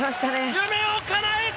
夢をかなえた！